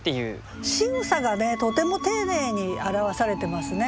しぐさがねとても丁寧に表されてますね。